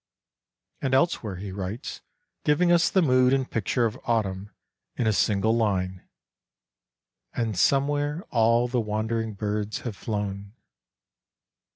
And elsewhere he writes, giving us the mood and picture of Autumn in a single line :" And somewhere all the wandering birds have flown."